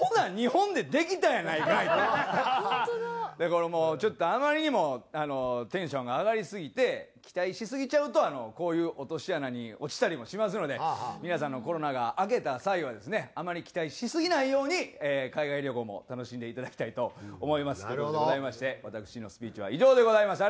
これもうちょっとあまりにもテンションが上がりすぎて期待しすぎちゃうとこういう落とし穴に落ちたりもしますので皆さんコロナが明けた際はですねあまり期待しすぎないように海外旅行も楽しんでいただきたいと思いますという事でございまして私のスピーチは以上でございます。